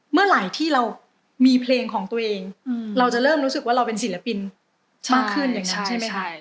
เมื่อไหร่ที่เรามีเพลงของตัวเองเราจะเริ่มรู้สึกว่าเราเป็นศิลปินมากขึ้นอย่างนี้ใช่ไหม